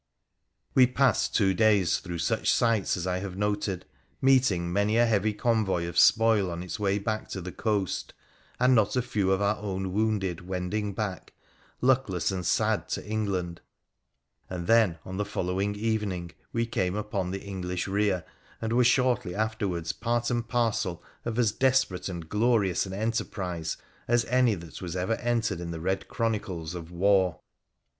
We passed two days through such sights as I have noted, meeting many a heavy convoy of spoil on its way to the coast, and not a few of our own wounded wending back, luckless and sad, to England ; and then on the following evening we came upon the English rear, and were shortly afterwards part and parcel of as desperate and glorious an enterprise as any that was ever entered in the red chronicles of war.